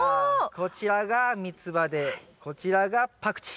こちらがミツバでこちらがパクチー。